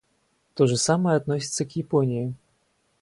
То же самое относится к Японии.